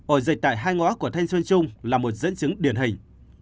ổ dịch tại hai ngõ của thanh xuân trung là một dẫn chứng điển hình